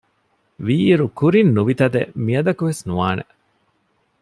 ވީއިރު ކުރިން ނުވިތަދެއް މިއަދަކުވެސް ނުވާނެ